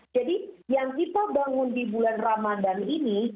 jadi yang kita bangun di bulan ramadhan ini